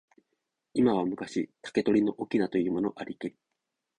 今は昔、竹取の翁というものありけり。